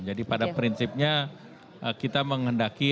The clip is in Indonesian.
jadi pada prinsipnya kita menghendaki